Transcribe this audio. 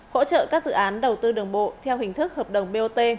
hỗ trợ các dự án đầu tư đường bộ theo hình thức hợp đồng bot